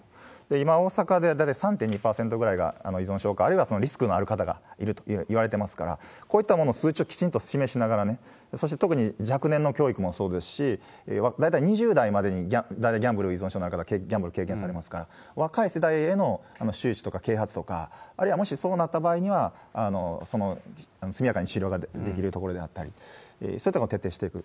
今、大阪で大体３．２％ぐらいが依存症化、あるいはリスクのある方がいるといわれてますから、こういったものを数値をきちんと示しながら、そして、特に若年の教育もそうですし、大体２０代までに大体ギャンブル依存症になる方、大体ギャンブルを経験されますから、若い世代への周知とか啓発とか、あるいはもしそうなった場合には、速やかに治療ができるところであったり、そういったところを徹底していく。